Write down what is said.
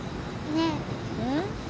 ねえうん？